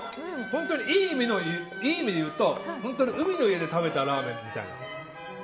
本当にいい意味で言うと海の家で食べたラーメンみたいな。